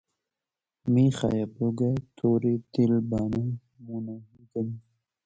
مېخایۂ بوگۂ تۉرې دیل بانۂ مونۂ یئگمې